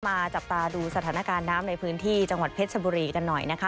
จับตาดูสถานการณ์น้ำในพื้นที่จังหวัดเพชรชบุรีกันหน่อยนะคะ